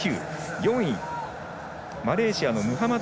４位、マレーシアのムハマド